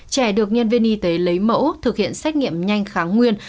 trẻ được nhân viên y tế lấy mẫu thực hiện xét nghiệm nhanh kháng nguyên